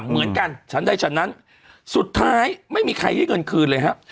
เหมือนกันฉันได้ฉันนั้นสุดท้ายไม่มีใครได้เงินคืนเลยครับ